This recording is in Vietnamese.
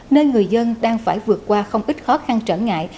nên người dân đang phải vượt qua không ít khó khăn trở ngại